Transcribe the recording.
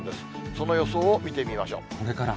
その予想を見てみましょう。